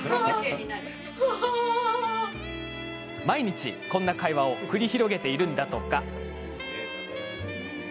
毎日、こういう会話を繰り広げているんだとか。